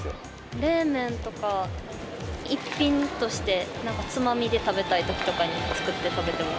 冷麺とか、一品として、なんかつまみで食べたいときとかに作って食べてます。